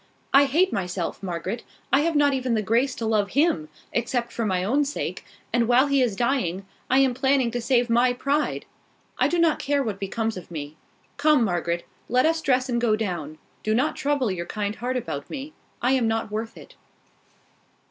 "I hate myself, Margaret. I have not even the grace to love him, except for my own sake; and while he is dying, I am planning to save my pride! I do not care what becomes of me. Come, Margaret, let us dress and go down. Do not trouble your kind heart about me: I am not worth it."